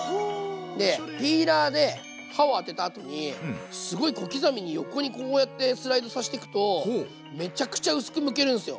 でピーラーで刃をあてたあとにすごい小刻みに横にこうやってスライドさしてくとめちゃくちゃ薄くむけるんですよ。